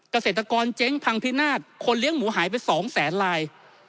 เกษตรกรเจ๊งพังพินาศคนเลี้ยงหมูหายไป๒แสนลาย